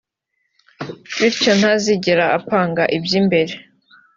bityo ntazigera apanga iby’imbere